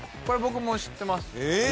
これ僕も知ってます。